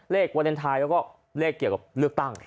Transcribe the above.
วาเลนไทยแล้วก็เลขเกี่ยวกับเลือกตั้ง